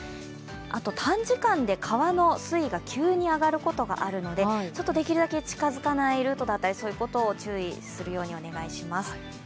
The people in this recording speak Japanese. あと短時間で川の水位が急に上がることがあるのでできるだけ近づかないルートだったり、そういうことを注意するようにお願いします。